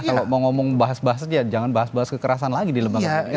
kalau mau ngomong bahas bahas aja jangan bahas bahas kekerasan lagi di lembaga